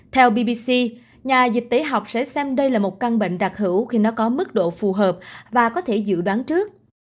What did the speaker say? theo bbc nhà dịch tễ học sẽ xem đây là một căn bệnh đặc hữu khi nó có mức độ phù hợp và có thể dự đoán trước